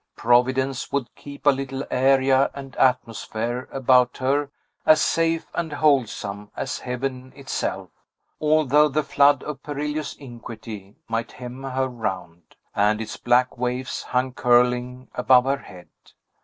Providence would keep a little area and atmosphere about her as safe and wholesome as heaven itself, although the flood of perilous iniquity might hem her round, and its black waves hang curling above her head!